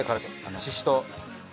ししとう。